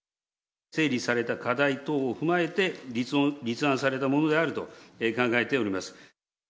整理された課題等を踏まえて、立案されたものであると考えております。